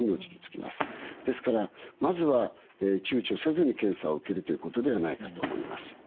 ですからまずは躊躇せずに検査を受けるということではないかと思います。